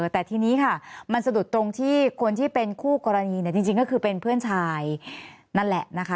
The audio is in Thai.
แต่ทีนี้ค่ะมันสะดุดตรงที่คนที่เป็นคู่กรณีเนี่ยจริงก็คือเป็นเพื่อนชายนั่นแหละนะคะ